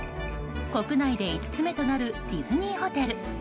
国内で５つ目となるディズニーホテル。